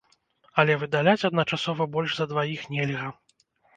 Але выдаляць адначасова больш за дваіх нельга.